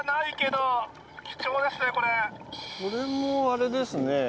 これもあれですね。